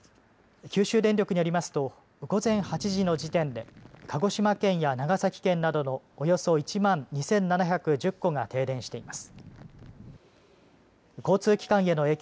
九州電力によりますと午前８時の時点で鹿児島県や長崎県などのおよそ１万２７１０戸が停電しています。